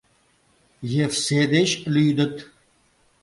Евсе деч лӱдыт.